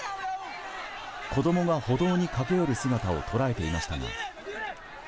子供が歩道に駆け寄る姿を捉えていましたが。